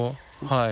はい。